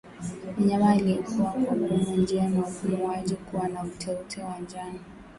Mnyama aliyekuwa kwa pumu njia ya upumuaji kuwa na uteute wa njano